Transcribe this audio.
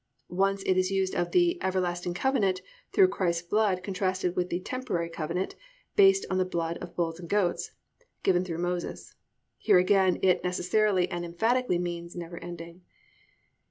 Once it is used of the "everlasting covenant" through Christ's blood contrasted with the temporary covenant, based on the blood of bulls and goats, given through Moses. Here again it necessarily and emphatically means never ending.